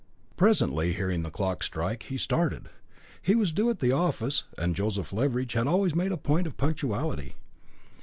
Presently, hearing the clock strike, he started. He was due at the office, and Joseph Leveridge had always made a point of punctuality.